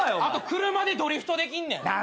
あと車でドリフトできんねん。